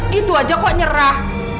gitu aja kok nyerah